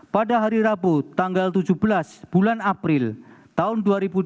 pada hari rabu tanggal tujuh belas bulan april tahun dua ribu dua puluh